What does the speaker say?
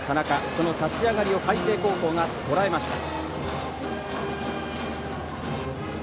その立ち上がりを海星高校がとらえました。